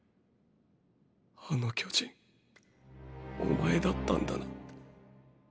あの巨人お前だったんだな。